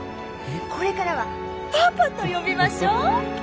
これからは「パパ」と呼びましょう。